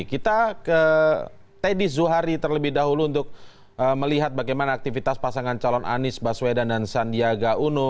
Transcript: kita ke teddy zuhari terlebih dahulu untuk melihat bagaimana aktivitas pasangan calon anies baswedan dan sandiaga uno